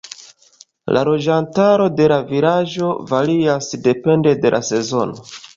La loĝantaro de la vilaĝo varias depende de la sezono.